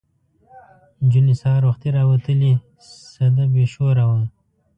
نجونې سهار وختي راوتلې سده بې شوره وه.